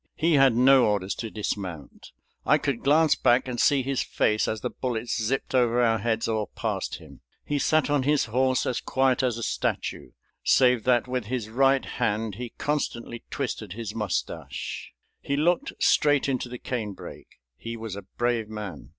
He had no orders to dismount. I could glance back and see his face as the bullets zipped over our heads or past him. He sat on his horse as quiet as a statue, save that with his right hand he constantly twisted his mustache. He looked straight into the cane brake. He was a brave man.